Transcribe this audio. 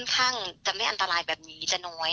อันนี้มันต้องมีเครื่องชีพในกรณีที่มันเกิดเหตุวิกฤตจริงเนี่ย